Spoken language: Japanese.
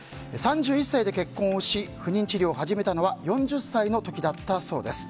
３１歳で結婚をし不妊治療を始めたのは４０歳の時だったそうです。